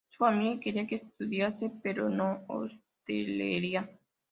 Su familia quería que estudiase, pero no hostelería.